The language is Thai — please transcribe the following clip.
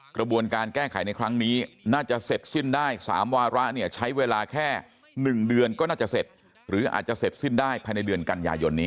กระบวนการแก้ไขในครั้งนี้น่าจะเสร็จสิ้นได้๓วาระเนี่ยใช้เวลาแค่๑เดือนก็น่าจะเสร็จหรืออาจจะเสร็จสิ้นได้ภายในเดือนกันยายนนี้